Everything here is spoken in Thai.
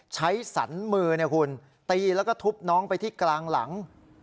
ใช้สรรค์มือตีแล้วก็ทุบน้องไปที่กลางหลัง